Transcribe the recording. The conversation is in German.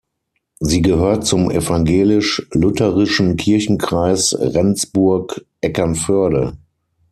Sie gehört zum Evangelisch-Lutherischen Kirchenkreis Rendsburg-Eckernförde.